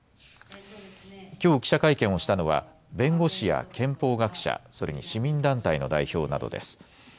きょう記者会見をしたのは、弁護士や憲法学者、それに市民団体の代表などです。